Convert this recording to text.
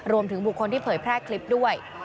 รวมถึงบุคคลที่เผยแพร่คลิปด้วย